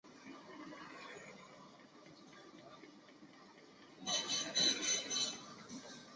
所以我们肯定会漏掉很多书。